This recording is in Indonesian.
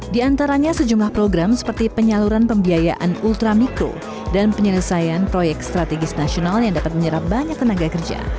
diantaranya sejumlah program seperti penyaluran pembiayaan ultra mikro dan penyelesaian proyek strategis nasional yang dapat menyerap banyak tenaga kerja